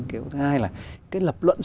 thứ hai là cái lập luận